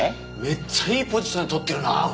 めっちゃいいポジションで撮ってるな。